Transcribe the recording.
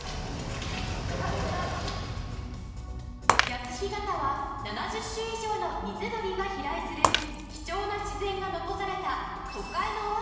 谷津干潟は７０種以上の水鳥が飛来する貴重な自然が残された都会のオアシス。